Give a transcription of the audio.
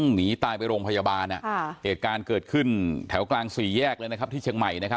หนีตายไปโรงพยาบาลเหตุการณ์เกิดขึ้นแถวกลางสี่แยกเลยนะครับที่เชียงใหม่